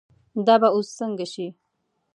دا به اوس څنګه شي.